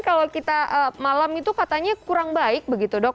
kalau kita malam itu katanya kurang baik begitu dok